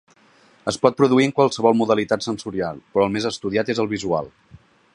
Es pot produir en qualsevol modalitat sensorial, però el més estudiat és el visual.